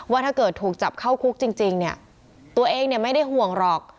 ถ้าเกิดถูกจับเข้าคุกจริงเนี่ยตัวเองเนี่ยไม่ได้ห่วงหรอก